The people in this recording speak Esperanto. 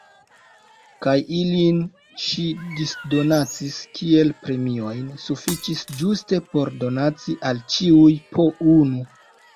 Kaj ilin ŝi disdonacis kiel premiojn. Sufiĉis ĝuste por donaci al ĉiuj po unu.